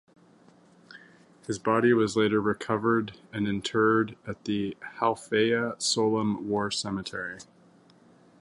His body was later recovered and interred at the Halfaya Sollum War Cemetery.